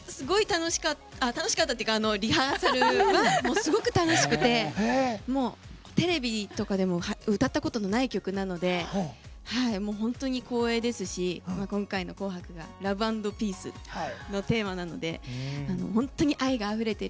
リハーサルはすごく楽しくてもうテレビとかでも歌ったことのない曲なので本当に光栄ですし今回の「紅白」が「ＬＯＶＥ＆ＰＥＡＣＥ」のテーマなので本当に愛があふれている。